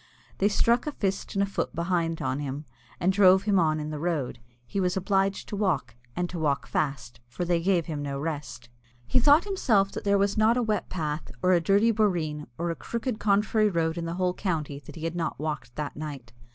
They struck a fist and a foot behind on him, and drove him on in the road. He was obliged to walk, and to walk fast, for they gave him no rest. He thought himself that there was not a wet path, or a dirty boreen, or a crooked contrary road in the whole county, that he had not walked that night.